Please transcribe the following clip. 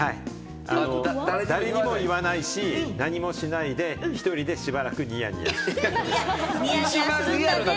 誰にも言わないし、何もしないで、１人でしばらくニヤニヤ。